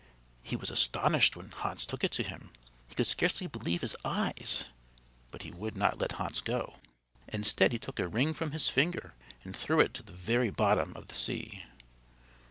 He was astonished when Hans took it to him. He could scarcely believe his eyes; but he would not let Hans go. Instead he took a ring from his finger and threw it to the very bottom of the sea.